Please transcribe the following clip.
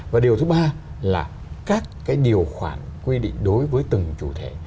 và điều thứ ba là các cái điều khoản quy định đối với từng chủ thể